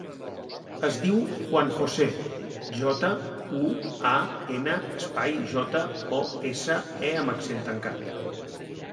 Es diu Juan josé: jota, u, a, ena, espai, jota, o, essa, e amb accent tancat.